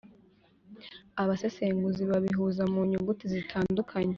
abasesenguzi babihuza mu nyuguti zitandukanye